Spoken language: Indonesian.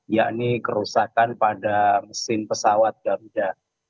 yakni kerusakan pada mesin pesawat garuda